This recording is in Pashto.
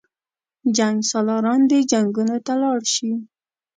جنګسالاران دې جنګونو ته لاړ شي.